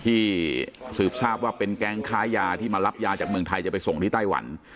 ที่สืบทราบว่าเป็นแก๊งค้ายาที่มารับยาจากเมืองไทยจะไปส่งที่ไต้หวัน